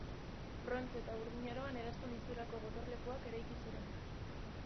Brontze eta Burdin Aroan eraztun itxurako gotorlekuak eraiki ziren.